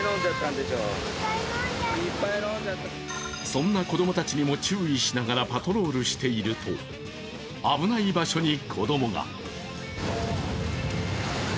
そんな子供たちにも注意しながらパトロールしていると、危ない場所に子供が。